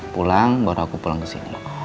pulang baru aku pulang kesini